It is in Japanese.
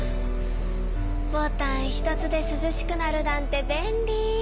ボタンひとつですずしくなるなんて便利！